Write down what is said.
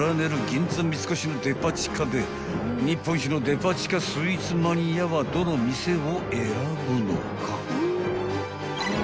銀座三越のデパ地下で日本一のデパ地下スイーツマニアはどの店を選ぶのか？］